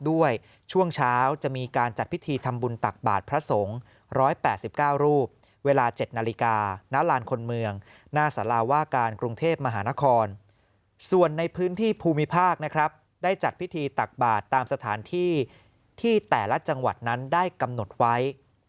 ว่าการกรุงเทพมหานครส่วนในพื้นที่ภูมิภาคนะครับได้จัดพิธีตักบาตรตามสถานที่ที่แต่ละจังหวัดนั้นได้กำหนดไว้